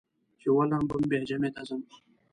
چې ولامبم بیا جمعې ته ځم.